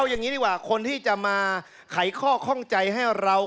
วันนี้ดีกว่าคนที่จะมาขายข้อข้อใจให้เรา